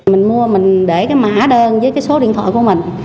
mình mua mình để cái mã hóa đơn với cái số điện thoại của mình